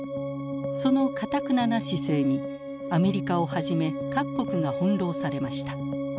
そのかたくなな姿勢にアメリカをはじめ各国が翻弄されました。